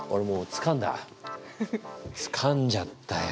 つかんじゃったよ。